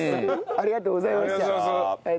ありがとうございます。